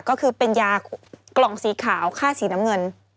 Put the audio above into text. ก็คือเป็นยากล่องสีขาวค่าสีน้ำเงิน